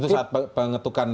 itu saat pengetukan